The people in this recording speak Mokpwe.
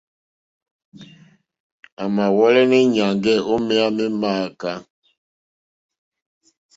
A mà wɔ̀lɛ̀nɛ̀ nyàŋgɛ̀ o meya ema me ma akɛ̀ɛ̀.